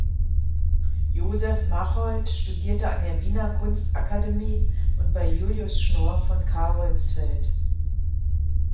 Joseph Machold studierte an der Wiener Kunstakademie und bei Julius Schnorr von Carolsfeld.